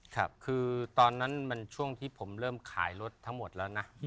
ครับคือตอนนั้นมันช่วงที่ผมเริ่มขายรถทั้งหมดแล้วนะ